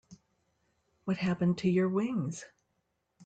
What happened to your wings?